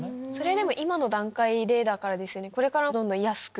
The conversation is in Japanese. でも今の段階だからですよね。